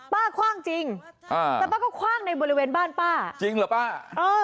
คว่างจริงอ่าแต่ป้าก็คว่างในบริเวณบ้านป้าจริงเหรอป้าเออ